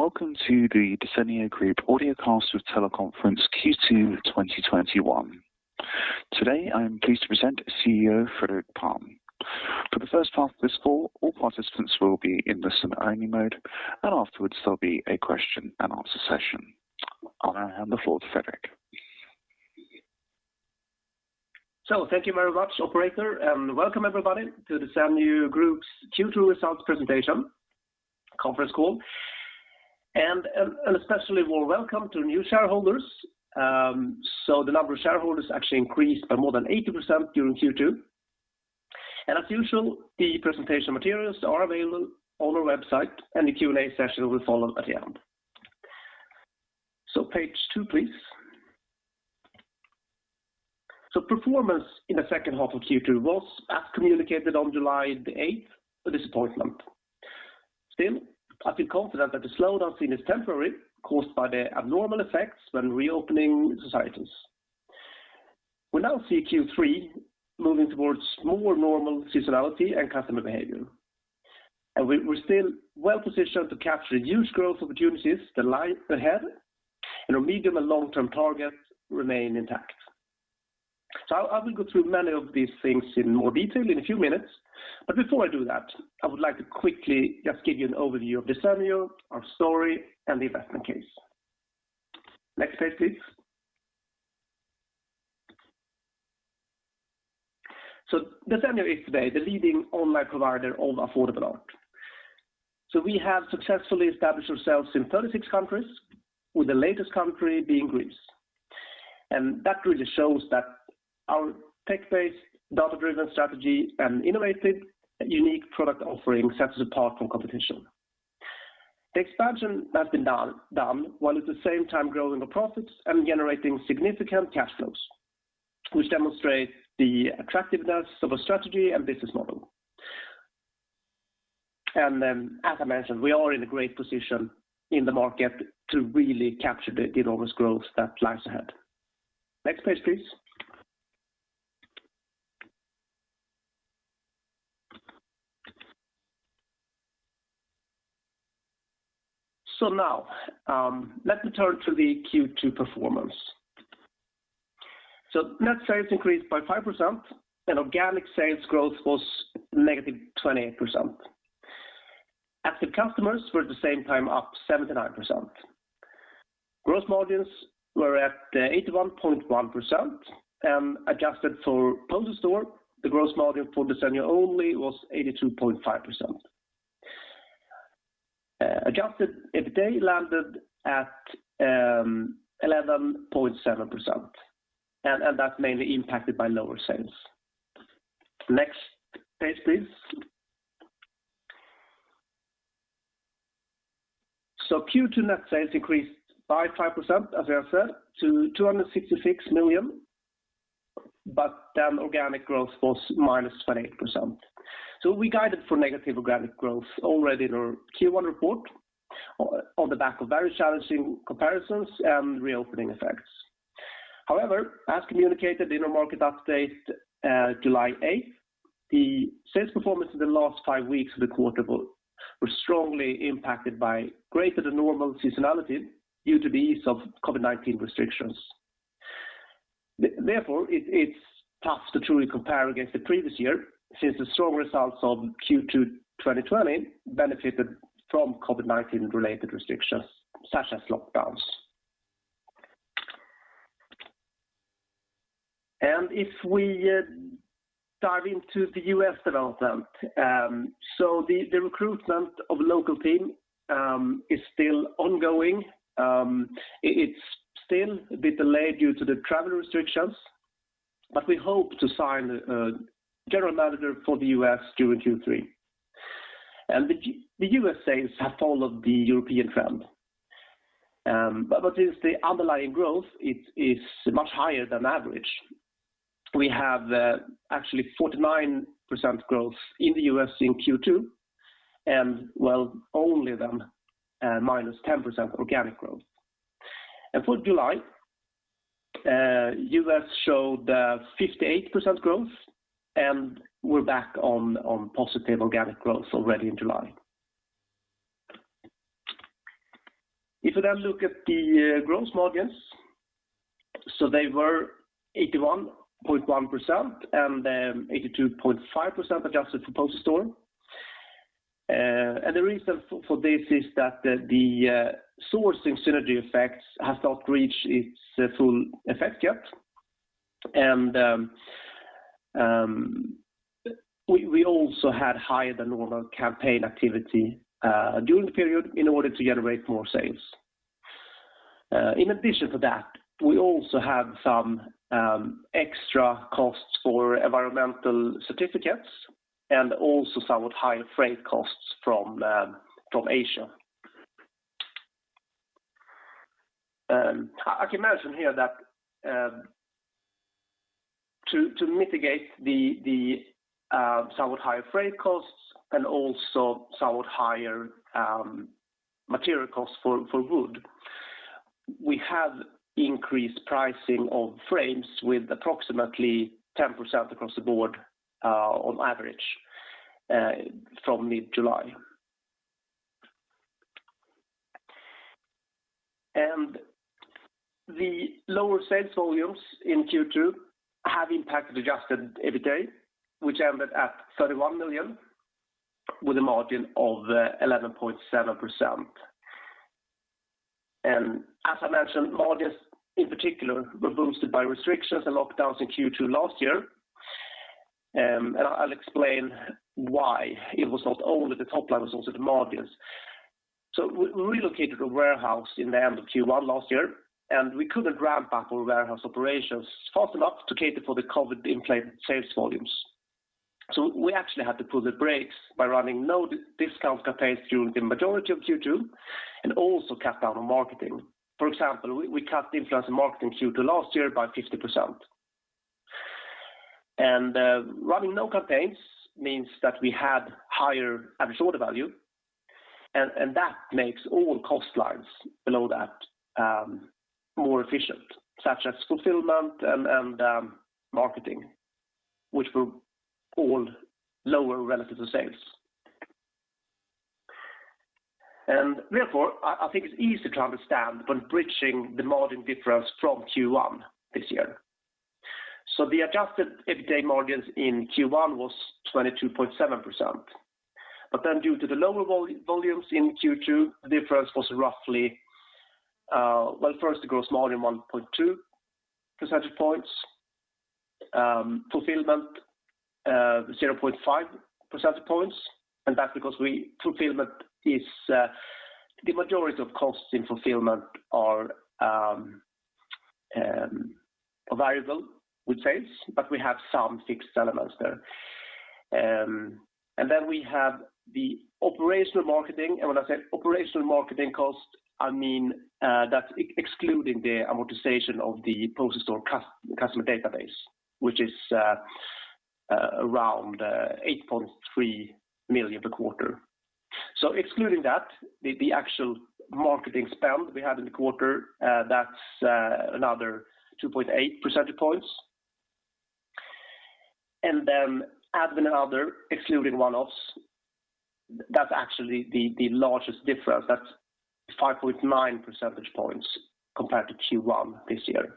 Welcome to the Desenio Group audiocast with teleconference Q2 2021. Today, I am pleased to present CEO Fredrik Palm. For the first half of this call, all participants will be in listen-only mode, and afterwards, there'll be a question-and-answer session. I'll now hand the floor to Fredrik. Thank you very much, operator, and welcome everybody to Desenio Group's Q2 results presentation conference call, and a special warm welcome to new shareholders. The number of shareholders actually increased by more than 80% during Q2. As usual, the presentation materials are available on our website, and the Q&A session will follow at the end. Page two, please. Performance in the second half of Q2 was, as communicated on July the 8th, a disappointment. Still, I feel confident that the slowdown seen is temporary, caused by the abnormal effects when reopening societies. We now see Q3 moving towards more normal seasonality and customer behavior, and we're still well-positioned to capture huge growth opportunities that lie ahead, and our medium and long-term targets remain intact. I will go through many of these things in more detail in a few minutes, but before I do that, I would like to quickly just give you an overview of Desenio, our story, and the investment case. Next page, please. Desenio is today the leading online provider of affordable art. We have successfully established ourselves in 36 countries, with the latest country being Greece. That really shows that our tech-based, data-driven strategy and innovative and unique product offering sets us apart from competition. The expansion has been done while at the same time growing the profits and generating significant cash flows, which demonstrate the attractiveness of a strategy and business model. As I mentioned, we are in a great position in the market to really capture the enormous growth that lies ahead. Next page, please. Now, let me turn to the Q2 performance. Net sales increased by 5%, and organic sales growth was negative 28%. Active customers were at the same time up 79%. Gross margins were at 81.1%, and adjusted for Poster Store, the gross margin for Desenio only was 82.5%. Adjusted EBITDA landed at 11.7%, and that's mainly impacted by lower sales. Next page, please. Q2 net sales increased by 5%, as I said, to 266 million, organic growth was -28%. We guided for negative organic growth already in our Q1 report on the back of very challenging comparisons and reopening effects. However, as communicated in our market update July 8th, the sales performance in the last five weeks of the quarter were strongly impacted by greater than normal seasonality due to the ease of COVID-19 restrictions. Therefore, it's tough to truly compare against the previous year since the strong results of Q2 2020 benefited from COVID-19-related restrictions such as lockdowns. If we dive into the U.S. development. The recruitment of local team is still ongoing. It's still a bit delayed due to the travel restrictions, but we hope to sign a general manager for the U.S. during Q3. The U.S. sales have followed the European trend. Since the underlying growth is much higher than average, we have actually 49% growth in the U.S. in Q2, and while only then a -10% organic growth. For July, U.S. showed 58% growth, and we're back on positive organic growth already in July. If you then look at the gross margins, they were 81.1% and then 82.5% adjusted for Poster Store. The reason for this is that the sourcing synergy effects have not reached its full effect yet. We also had higher than normal campaign activity during the period in order to generate more sales. In addition to that, we also had some extra costs for environmental certificates and also somewhat higher freight costs from Asia. I can mention here that to mitigate the somewhat higher freight costs and also somewhat higher material costs for wood, we have increased pricing of frames with approximately 10% across the board on average from mid-July. The lower sales volumes in Q2 have impacted adjusted EBITDA, which ended at 31 million, with a margin of 11.7%. As I mentioned, margins in particular were boosted by restrictions and lockdowns in Q2 last year. I'll explain why it was not only the top line, it was also the margins. We relocated a warehouse in the end of Q1 last year, and we couldn't ramp up our warehouse operations fast enough to cater for the COVID-inflated sales volumes. We actually had to put the brakes by running no discount campaigns during the majority of Q2, and also cut down on marketing. For example, we cut influencer marketing Q2 last year by 50%. Running no campaigns means that we had higher average order value, and that makes all cost lines below that more efficient, such as fulfillment and marketing, which were all lower relative to sales. I think it's easy to understand when bridging the margin difference from Q1 this year. The adjusted EBITDA margins in Q1 was 22.7%. Due to the lower volumes in Q2, the difference was roughly, well, first the gross margin, 1.2 percentage points. Fulfillment, 0.5 percentage points, and that's because the majority of costs in fulfillment are variable with sales, but we have some fixed elements there. Then we have the operational marketing, and when I say operational marketing cost, I mean that's excluding the amortization of the Poster Store customer database, which is around 8.3 million per quarter. Excluding that, the actual marketing spend we had in the quarter, that's another 2.8 percentage points. Then Admin and other, excluding one-offs, that's actually the largest difference. That's 5.9 percentage points compared to Q1 this year.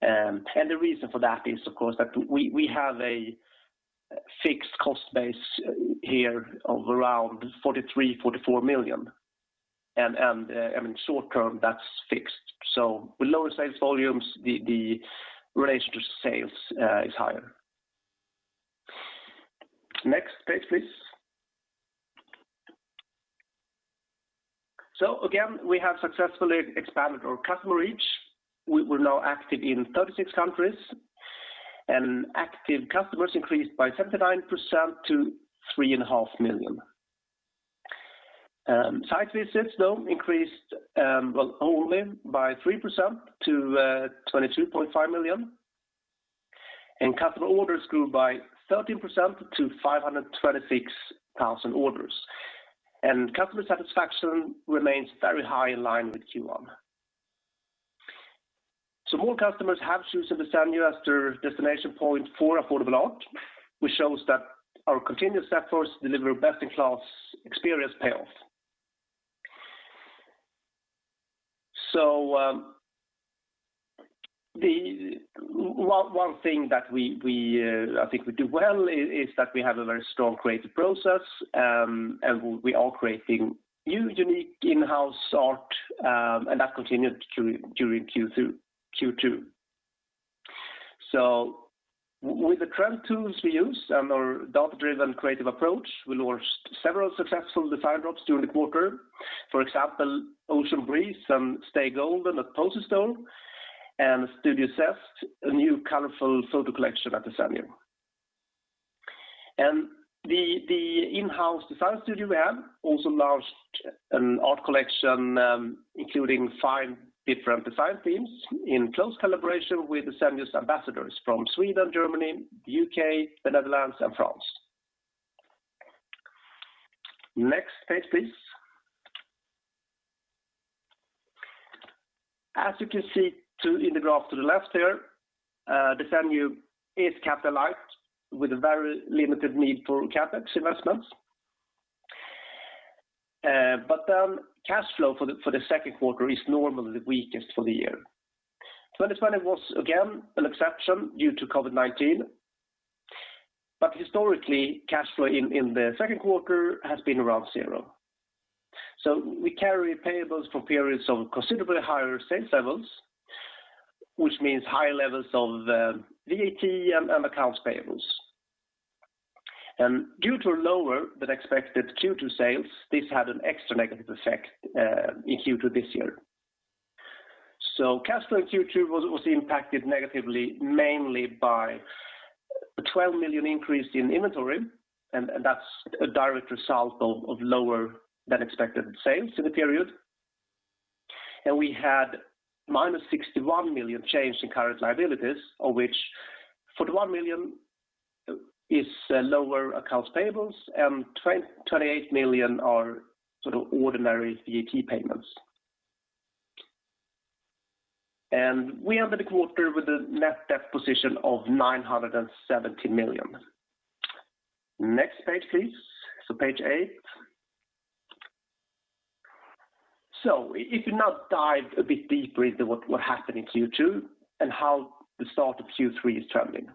The reason for that is, of course, that we have a fixed cost base here of around 43 million-44 million. In short term, that's fixed. With lower sales volumes, the relation to sales is higher. Next page, please. Again, we have successfully expanded our customer reach. We're now active in 36 countries, active customers increased by 79% to 3.5 million. Site visits, though, increased, well, only by 3% to 22.5 million, and customer orders grew by 13% to 526,000 orders. Customer satisfaction remains very high in line with Q1. More customers have chosen Desenio as their destination point for affordable art, which shows that our continuous efforts to deliver best-in-class experience pay off. One thing that I think we do well is that we have a very strong creative process, and we are creating new unique in-house art, and that continued during Q2. With the trend tools we use and our data-driven creative approach, we launched several successful design drops during the quarter. For example, Ocean Breeze and Stay Golden at Poster Store, and Studio Zest, a new colorful photo collection at Desenio. The in-house design studio we have also launched an art collection including five different design themes in close collaboration with Desenio's ambassadors from Sweden, Germany, U.K., the Netherlands and France. Next page, please. As you can see too in the graph to the left here, Desenio is capitalized with a very limited need for CapEx investments. Cash flow for the second quarter is normally the weakest for the year. 2020 was again an exception due to COVID-19, but historically, cash flow in the second quarter has been around zero. We carry payables for periods of considerably higher sales levels, which means higher levels of VAT and accounts payables. Due to lower than expected Q2 sales, this had an extra negative effect in Q2 this year. Cash flow in Q2 was impacted negatively, mainly by a 12 million increase in inventory, and that's a direct result of lower than expected sales in the period. We had -61 million change in current liabilities, of which 41 million is lower accounts payables and 28 million are ordinary VAT payments. We ended the quarter with a net debt position of 970 million. Next page, please. Page eight. If we now dive a bit deeper into what happened in Q2 and how the start of Q3 is traveling.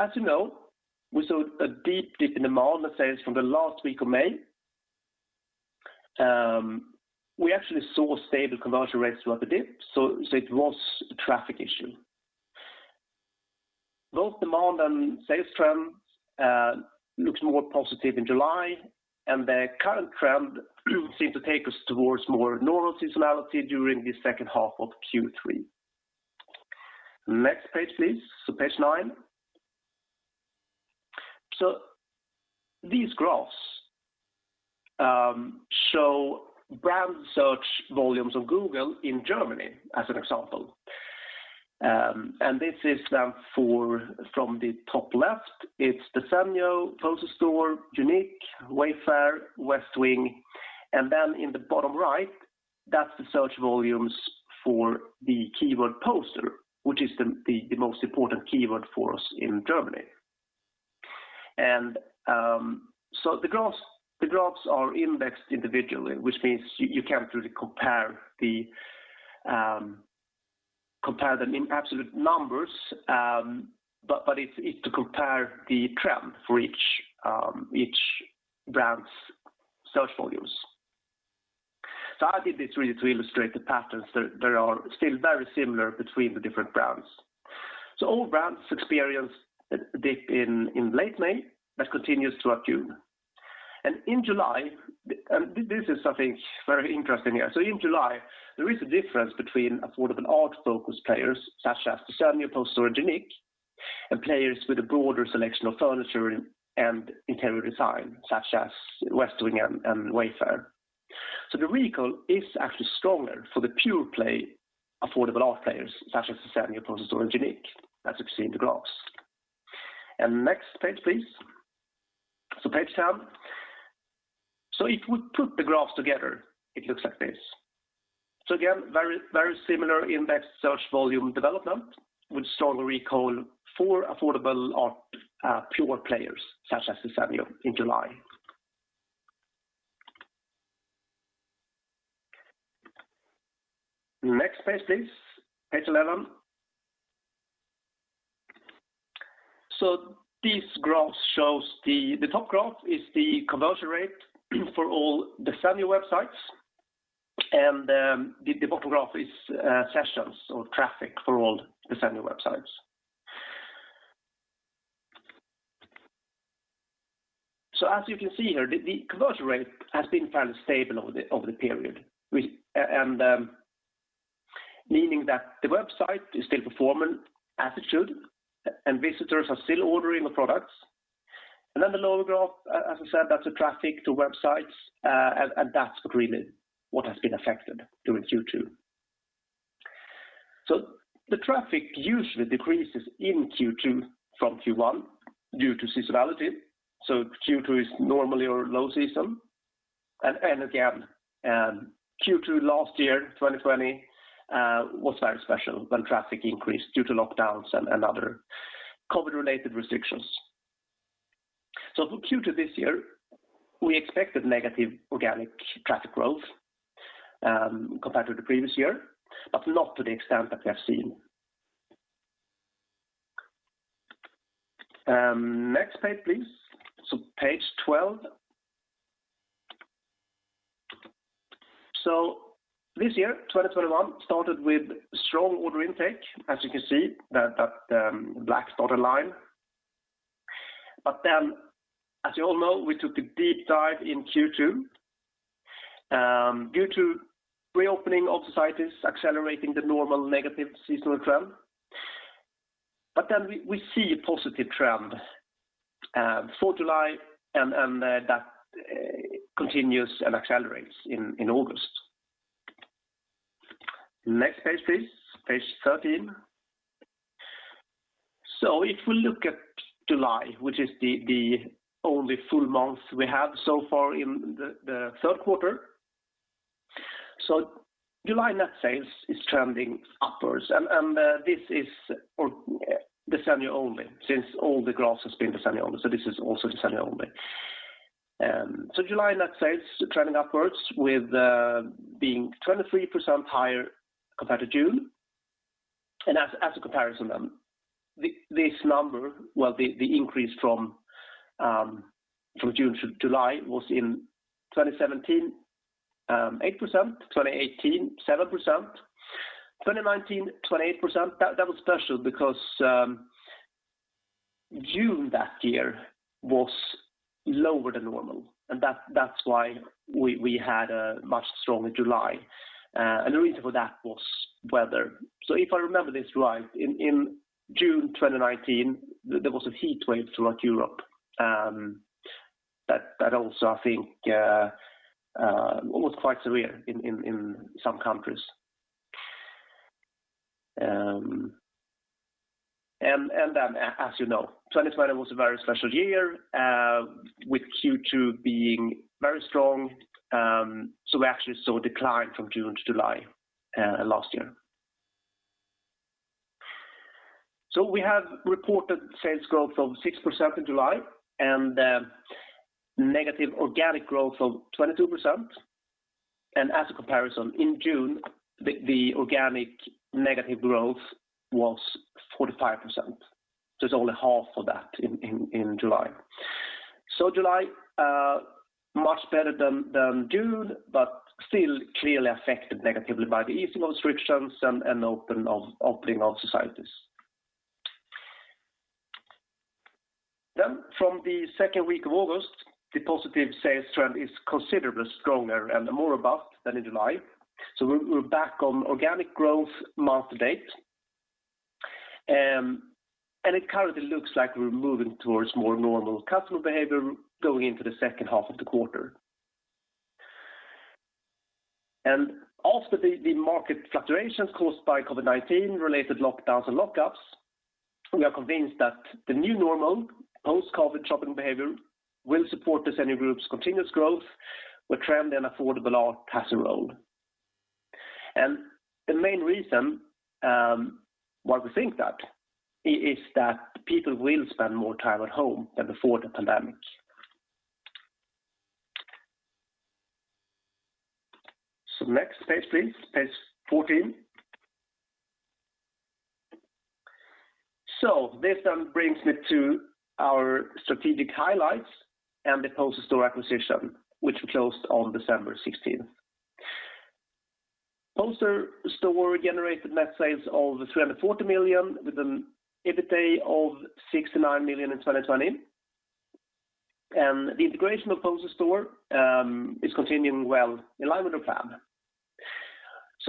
As you know, we saw a deep dip in demand and sales from the last week of May. We actually saw stable conversion rates throughout the dip, so it was a traffic issue. Both demand and sales trends look more positive in July, and the current trend seems to take us towards more normal seasonality during the second half of Q3. Next page, please. Page nine. These graphs show brand search volumes on Google in Germany as an example. This is then from the top left, it's Desenio, Poster Store, Juniqe, Wayfair, Westwing, and then in the bottom right, that's the search volumes for the keyword poster, which is the most important keyword for us in Germany. The graphs are indexed individually, which means you can't really compare them in absolute numbers, but it's to compare the trend for each brand's search volumes. I did this really to illustrate the patterns that are still very similar between the different brands. All brands experienced a dip in late May that continues throughout June. In July, this is something very interesting here. In July, there is a difference between affordable art-focused players such as Desenio, Poster Store, and Juniqe, and players with a broader selection of furniture and interior design such as Westwing and Wayfair. The recall is actually stronger for the pure play affordable art players such as Desenio, Poster Store, and Juniqe, as you see in the graphs. Next page, please. Page 10. If we put the graphs together, it looks like this. Again, very similar index search volume development with stronger recall for affordable art pure players such as Desenio in July. Next page, please. Page 11. These graphs shows, the top graph is the conversion rate for all Desenio websites, and the bottom graph is sessions or traffic for all Desenio websites. As you can see here, the conversion rate has been fairly stable over the period, meaning that the website is still performing as it should, and visitors are still ordering the products. Then the lower graph, as I said, that's the traffic to websites, and that's really what has been affected during Q2. The traffic usually decreases in Q2 from Q1 due to seasonality. Q2 is normally our low season. Again, Q2 last year, 2020, was very special when traffic increased due to lockdowns and other COVID-related restrictions. For Q2 this year, we expected negative organic traffic growth compared to the previous year, but not to the extent that we have seen. Next page, please. Page 12. This year, 2021, started with strong order intake, as you can see, that black dotted line. As you all know, we took a deep dive in Q2 due to reopening of societies accelerating the normal negative seasonal trend. We see a positive trend for July, and that continues and accelerates in August. Next page, please. Page 13. If we look at July, which is the only full month we have so far in the third quarter. July net sales is trending upwards, and this is for Desenio only, since all the graphs has been Desenio only. This is also Desenio only. July net sales trending upwards with being 23% higher compared to June. As a comparison, this number, well, the increase from June to July was in 2017, 8%, 2018, 7%, 2019, 28%. That was special because June that year was lower than normal, and that's why we had a much stronger July. The reason for that was weather. If I remember this right, in June 2019, there was a heat wave throughout Europe. That also, I think was quite severe in some countries. As you know, 2020 was a very special year with Q2 being very strong. We actually saw a decline from June to July last year. We have reported sales growth of 6% in July and negative organic growth of 22%. As a comparison, in June, the organic negative growth was 45%. It's only half of that in July. July, much better than June, but still clearly affected negatively by the easing of restrictions and opening of societies. From the second week of August, the positive sales trend is considerably stronger and more robust than in July. We're back on organic growth month to date, and it currently looks like we're moving towards more normal customer behavior going into the second half of the quarter. After the market fluctuations caused by COVID-19 related lockdowns and lockups, we are convinced that the new normal post-COVID shopping behavior will support Desenio Group's continuous growth with trend and affordable art has a role. The main reason why we think that is that people will spend more time at home than before the pandemic. Next page, please. Page 14. This then brings me to our strategic highlights and the Poster Store acquisition, which we closed on December 16th. Poster Store generated net sales of 340 million with an EBITDA of 69 million in 2020. The integration of Poster Store is continuing well in line with the plan.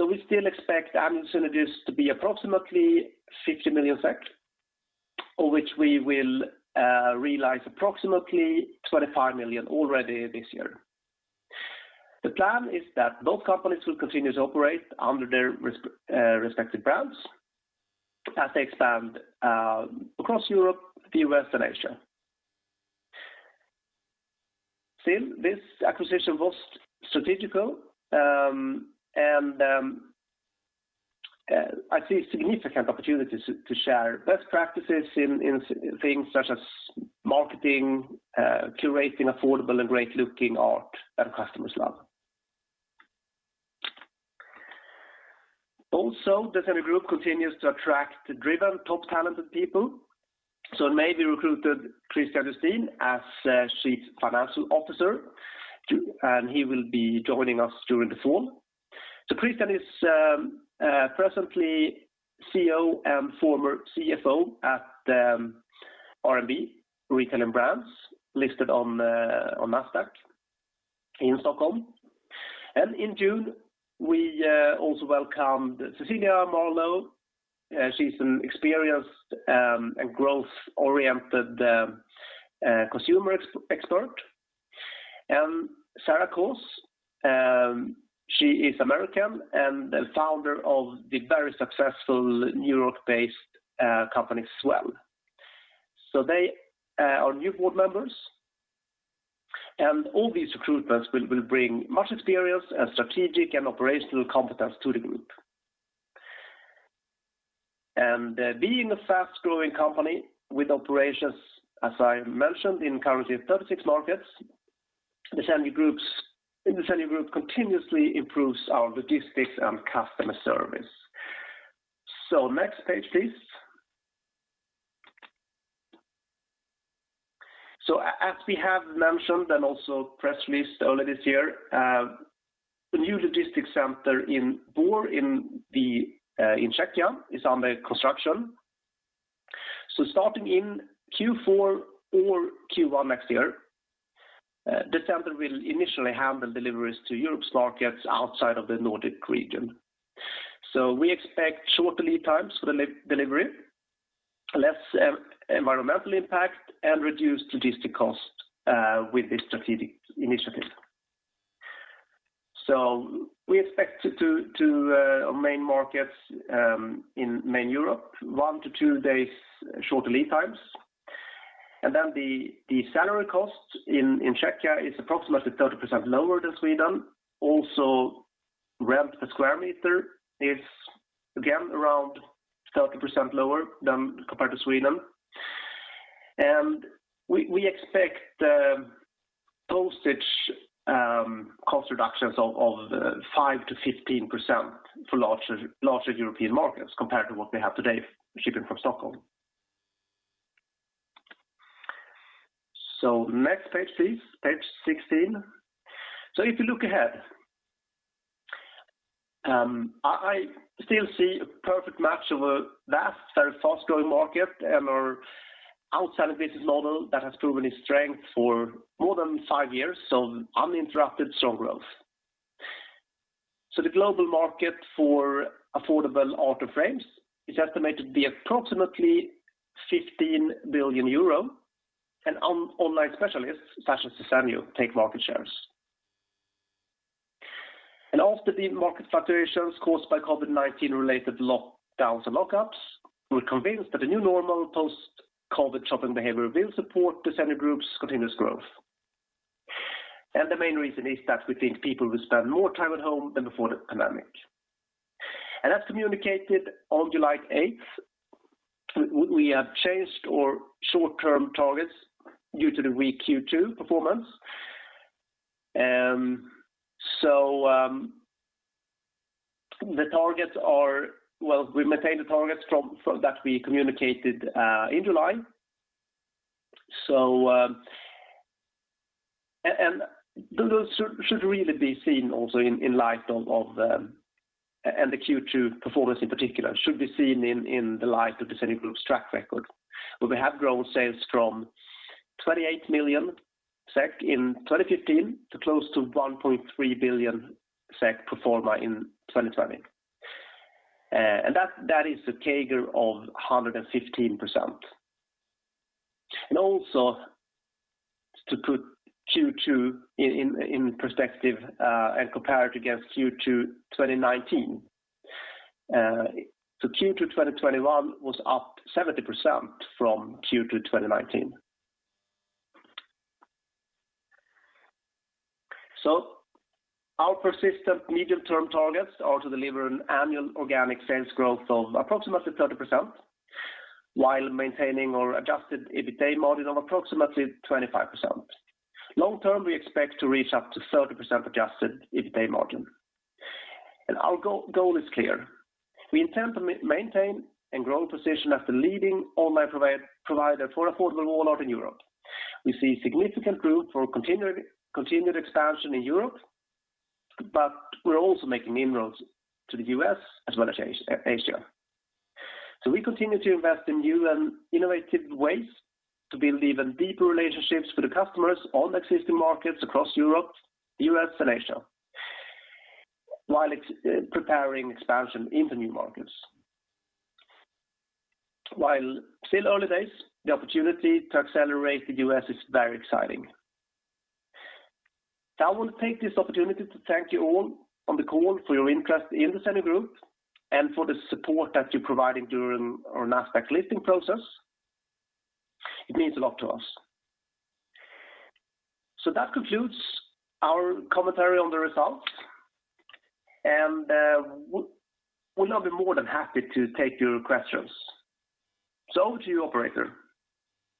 We still expect annual synergies to be approximately 50 million SEK, of which we will realize approximately 25 million already this year. The plan is that both companies will continue to operate under their respective brands as they expand across Europe, the U.S., and Asia. This acquisition was strategical, and I see significant opportunities to share best practices in things such as marketing, curating affordable and great-looking art that customers love. Desenio Group continues to attract driven top talented people. In May we recruited Kristian Lustin as Chief Financial Officer, and he will be joining us during the fall. Kristian is presently CEO and former CFO at RNB Retail and Brands, listed on Nasdaq Stockholm. In June, we also welcomed Cecilia Marlow. She's an experienced and growth-oriented consumer expert. Sarah Kauss, she is American and the founder of the very successful Europe-based company, S'well. They are new board members. All these recruitments will bring much experience and strategic and operational competence to the group. Being a fast-growing company with operations, as I mentioned, in currently 36 markets, the Desenio Group continuously improves our logistics and customer service. Next page, please. As we have mentioned and also press release earlier this year, a new logistics center in Bor in Czechia is under construction. Starting in Q4 or Q1 next year, the center will initially handle deliveries to Europe's markets outside of the Nordic region. We expect short lead times for the delivery, less environmental impact, and reduced logistic cost with this strategic initiative. We expect to our main markets in main Europe, one to two days shorter lead times. The salary cost in Czechia is approximately 30% lower than Sweden. Rent per square meter is again around 30% lower than compared to Sweden. We expect postage cost reductions of 5%-15% for larger European markets compared to what we have today shipping from Stockholm. Next page, please. Page 16. If you look ahead, I still see a perfect match of a vast, very fast-growing market and our outstanding business model that has proven its strength for more than five years of uninterrupted strong growth. The global market for affordable art and frames is estimated to be approximately 15 billion euro. Online specialists such as Desenio take market shares. After the market fluctuations caused by COVID-19 related lockdowns and lockups, we're convinced that the new normal post-COVID shopping behavior will support Desenio Group's continuous growth. The main reason is that we think people will spend more time at home than before the pandemic. As communicated on July 8th, we have changed our short-term targets due to the weak Q2 performance. We maintain the targets that we communicated in July. The Q2 performance in particular should be seen in the light of Desenio Group's track record, where we have grown sales from 28 million SEK in 2015 to close to 1.3 billion SEK pro forma in 2020. That is a CAGR of 115%. Also to put Q2 in perspective, and compare it against Q2 2019, Q2 2021 was up 70% from Q2 2019. Our persistent medium-term targets are to deliver an annual organic sales growth of approximately 30% while maintaining our adjusted EBITA margin of approximately 25%. Long term, we expect to reach up to 30% adjusted EBITA margin. Our goal is clear. We intend to maintain and grow our position as the leading online provider for affordable wall art in Europe. We see significant room for continued expansion in Europe, but we're also making inroads to the U.S. as well as Asia. We continue to invest in new and innovative ways to build even deeper relationships for the customers on existing markets across Europe, U.S., and Asia, while preparing expansion into new markets. While still early days, the opportunity to accelerate the U.S. is very exciting. I want to take this opportunity to thank you all on the call for your interest in Desenio Group and for the support that you're providing during our Nasdaq listing process. It means a lot to us. That concludes our commentary on the results, and we'll now be more than happy to take your questions. Over to you, operator.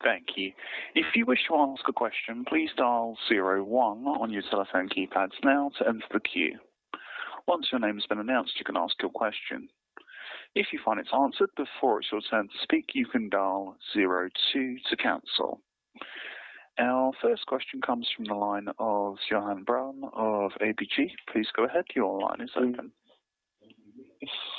Thank you. If you wish to ask a question, please dial zero one on your telephone keypads now to enter the queue. Once your name has been announced, you can ask your question. If you find it's answered before it's your turn to speak, you can dial zero two to cancel. Our first question comes from the line of Johan Brown of ABG. Please go ahead. Your line is open.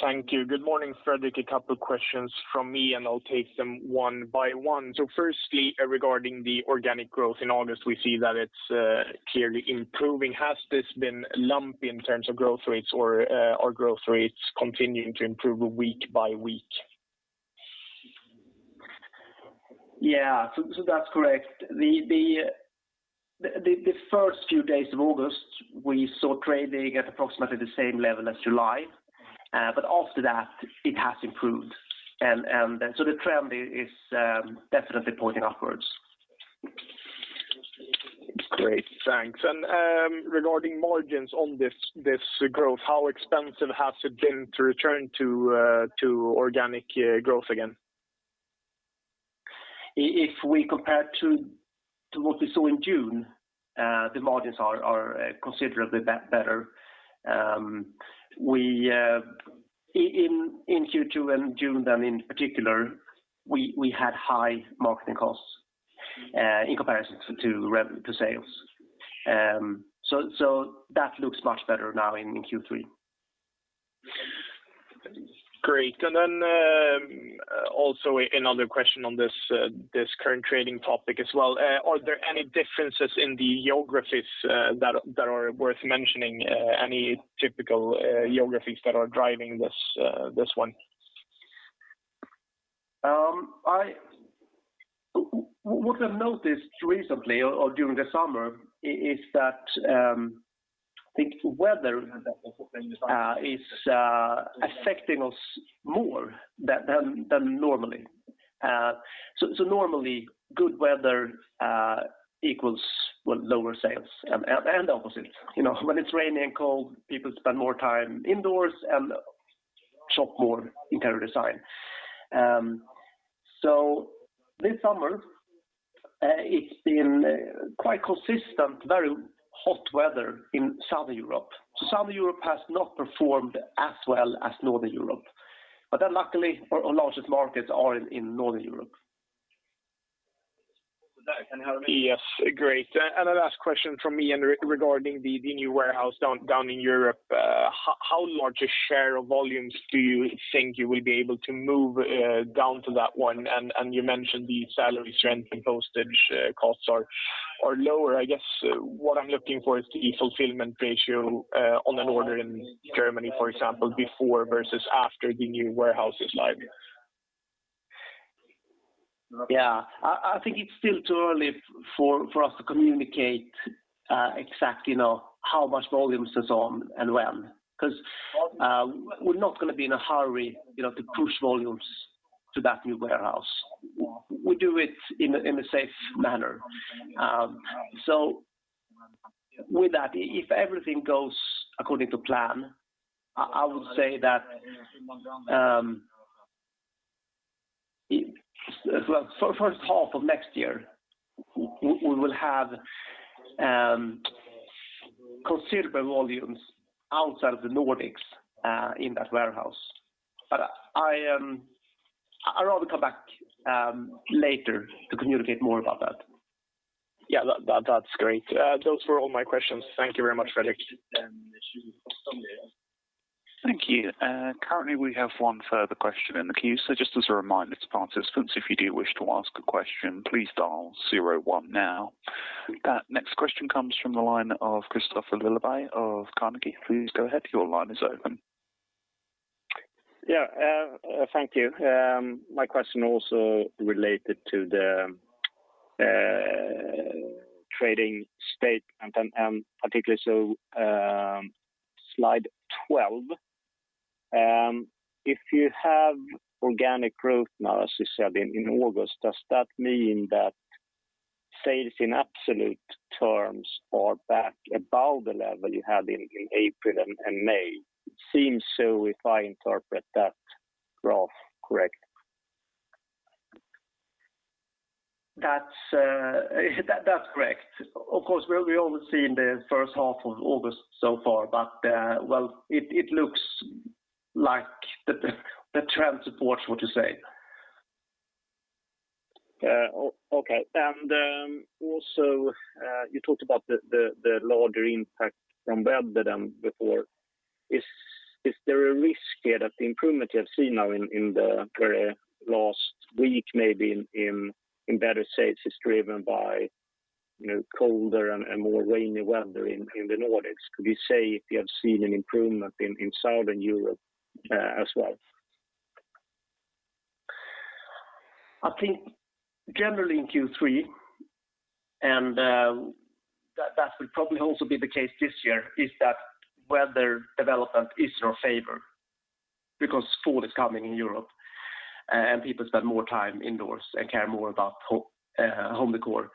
Thank you. Good morning, Fredrik. A couple of questions from me, and I'll take them one by one. Firstly, regarding the organic growth in August, we see that it's clearly improving. Has this been lumpy in terms of growth rates or are growth rates continuing to improve week by week? Yeah. That's correct. The first few days of August, we saw trading at approximately the same level as July. After that it has improved, the trend is definitely pointing upwards. Great, thanks. Regarding margins on this growth, how expensive has it been to return to organic growth again? If we compare to what we saw in June, the margins are considerably better. In Q2 and June in particular, we had high marketing costs in comparison to sales. That looks much better now in Q3. Great. Also, another question on this current trading topic as well. Are there any differences in the geographies that are worth mentioning? Any typical geographies that are driving this one? What I've noticed recently or during the summer is that, I think weather is affecting us more than normally. Normally, good weather equals lower sales and opposite. When it's raining and cold, people spend more time indoors and shop more interior design. This summer, it's been quite consistent, very hot weather in Southern Europe. Southern Europe has not performed as well as Northern Europe, luckily our largest markets are in Northern Europe. Yes. Great. The last question from me regarding the new warehouse down in Europe, how large a share of volumes do you think you will be able to move down to that one? You mentioned the salary trends and postage costs are lower. I guess what I'm looking for is the fulfillment ratio on an order in Germany, for example, before versus after the new warehouse is live. Yeah. I think it's still too early for us to communicate exactly how much volumes is on and when, because we're not going to be in a hurry to push volumes to that new warehouse. We do it in a safe manner. With that, if everything goes according to plan, I would say that first half of next year, we will have considerable volumes outside of the Nordics in that warehouse. I'd rather come back later to communicate more about that. Yeah. That's great. Those were all my questions. Thank you very much, Fredrik. Thank you. Currently, we have one further question in the queue. Just as a reminder to participants, if you do wish to ask a question, please dial zero one now. Next question comes from the line of Kristofer Liljeberg of Carnegie. Please go ahead. Your line is open. Yeah. Thank you. My question also related to the trading statement and particularly slide 12. If you have organic growth now, as you said in August, does that mean that sales in absolute terms are back above the level you had in April and May? It seems so if I interpret that graph correctly. That's correct. Of course, we only see in the first half of August so far, but it looks like the trend supports what you say. Okay. Also, you talked about the larger impact from weather than before. Is there a risk here that the improvement you have seen now in the very last week, maybe in better sales is driven by colder and more rainy weather in the Nordics? Could we say if you have seen an improvement in Southern Europe as well? I think generally in Q3, and that will probably also be the case this year, is that weather development is in our favor because fall is coming in Europe and people spend more time indoors and care more about home decor.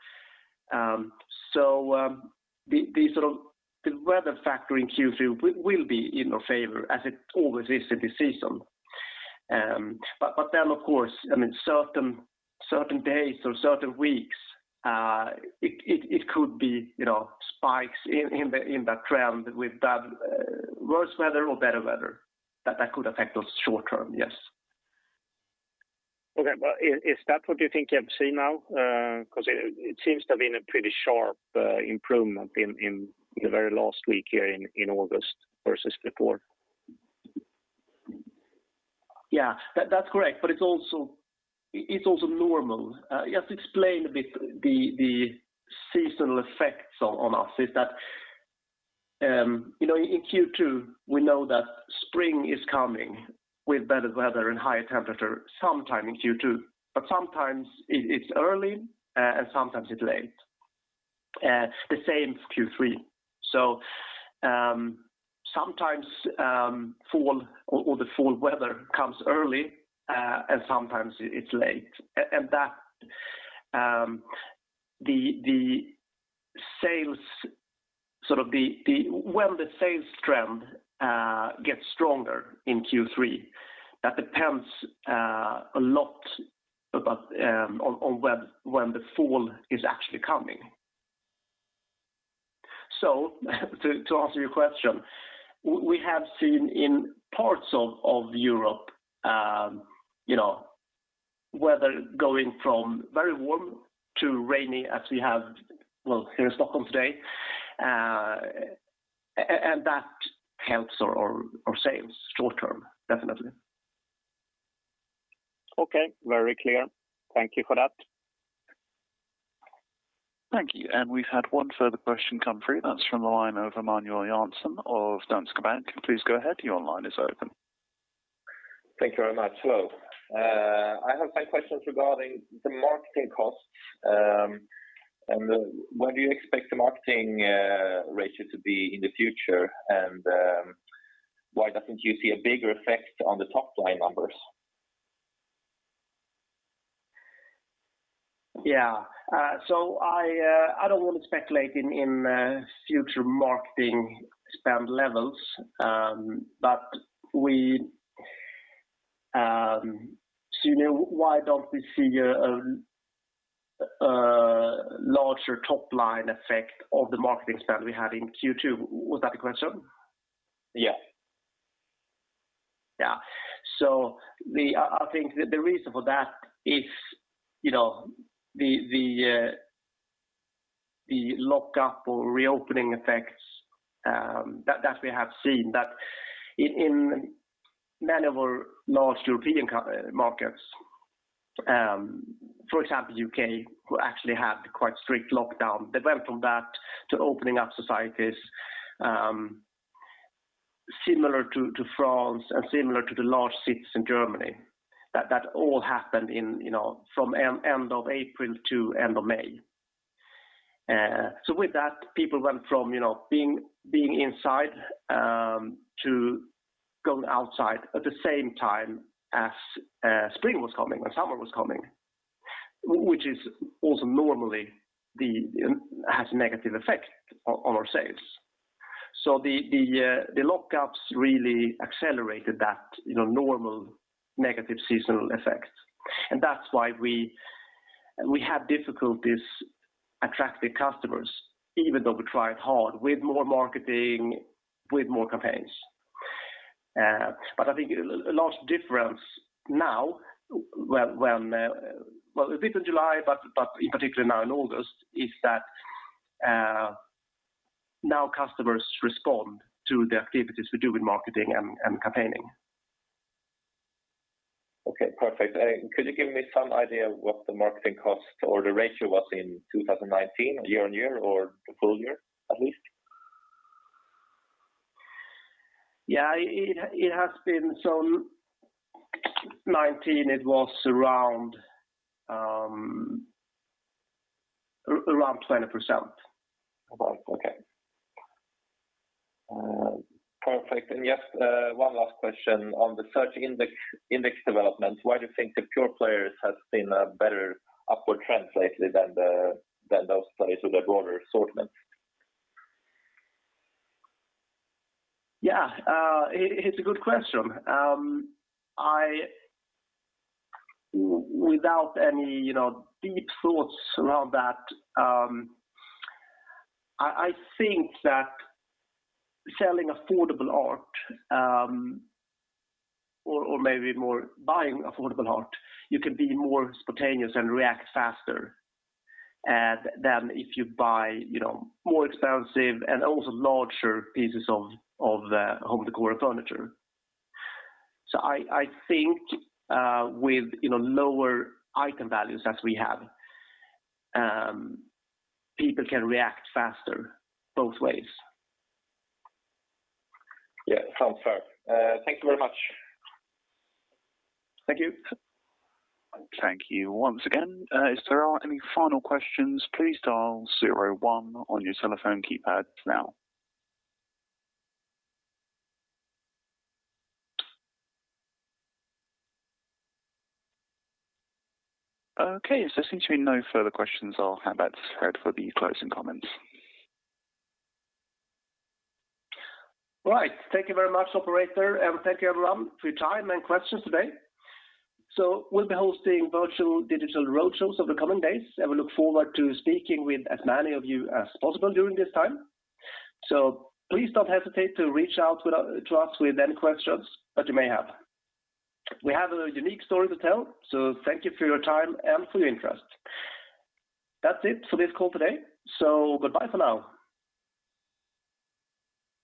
The weather factor in Q3 will be in our favor as it always is in the season. Of course, certain days or certain weeks, it could be spikes in that trend with worse weather or better weather. That could affect us short-term, yes. Okay. Is that what you think you have seen now? It seems to have been a pretty sharp improvement in the very last week here in August versus before. Yeah. That's correct, but it's also normal. Just to explain a bit the seasonal effects on us is that in Q2 we know that spring is coming with better weather and higher temperature sometime in Q2, but sometimes it's early and sometimes it's late. The same with Q3. Sometimes fall or the fall weather comes early, and sometimes it's late. When the sales trend gets stronger in Q3, that depends a lot on when the fall is actually coming. To answer your question, we have seen in parts of Europe weather going from very warm to rainy as we have, well, here in Stockholm today, and that helps our sales short-term, definitely. Okay. Very clear. Thank you for that. Thank you. We've had one further question come through. That's from the line of Emanuel Jansson of Danske Bank. Please go ahead, your line is open. Thank you very much. Hello. I have some questions regarding the marketing costs. Where do you expect the marketing ratio to be in the future? Why don't you see a bigger effect on the top-line numbers? Yeah. I don't want to speculate in future marketing spend levels. Why don't we see a larger top-line effect of the marketing spend we had in Q2? Was that the question? Yes. I think the reason for that is the lockup or reopening effects that we have seen that in many of our large European markets, for example, U.K., who actually had quite strict lockdown, they went from that to opening up societies. Similar to France and similar to the large cities in Germany, that all happened from end of April to end of May. With that, people went from being inside to going outside at the same time as spring was coming, when summer was coming, which also normally has a negative effect on our sales. The lockups really accelerated that normal negative seasonal effect. That's why we had difficulties attracting customers, even though we tried hard with more marketing, with more campaigns. I think a large difference now, well, a bit in July, but in particular now in August, is that now customers respond to the activities we do with marketing and campaigning. Okay, perfect. Could you give me some idea of what the marketing cost or the ratio was in 2019, year-on-year or the full year, at least? Yeah, in 2019 it was around 20%. About, okay. Perfect. Just one last question on the search index development, why do you think the pure players has been a better upward trend lately than those players with a broader assortment? It's a good question. Without any deep thoughts around that, I think that selling affordable art or maybe more buying affordable art, you can be more spontaneous and react faster than if you buy more expensive and also larger pieces of home decor furniture. I think with lower item values as we have, people can react faster both ways. Yeah, sounds fair. Thank you very much. Thank you. Thank you once again. If there are any final questions, please dial zero one on your telephone keypad now. Since we've no further questions, I'll hand back to Fred for the closing comments. Right. Thank you very much, operator. Thank you everyone for your time and questions today. We'll be hosting virtual digital roadshows over the coming days. We look forward to speaking with as many of you as possible during this time. Please don't hesitate to reach out to us with any questions that you may have. We have a unique story to tell. Thank you for your time and for your interest. That's it for this call today. Goodbye for now.